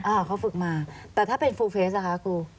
อ่าเขาฝึกมาแต่ถ้าเป็นฟูลเฟสอะคะกู